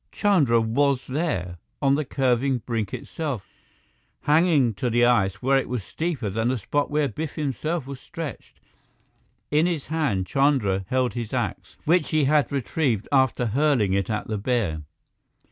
Chandra was there! On the curving brink itself, hanging to the ice where it was steeper than the spot where Biff himself was stretched. In his hand, Chandra held his axe, which he had retrieved after hurling it at the bear.